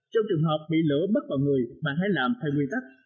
trong trường hợp bị lửa bắt vào người bạn hãy làm theo nguyên tắc